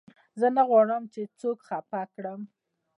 زه نه غواړم، چي څوک خفه کړم.